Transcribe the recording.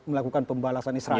mosad melakukan pembalasan israeli